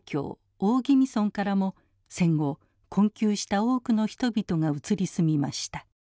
大宜味村からも戦後困窮した多くの人々が移り住みました。